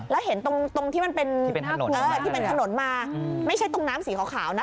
แล้วเห็นตรงที่เป็นถนนมาไม่ใช่ตรงน้ำสีขาวนะ